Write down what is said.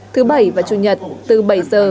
thứ bảy và chủ nhật từ bảy h